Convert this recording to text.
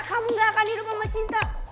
kamu gak akan hidup sama cinta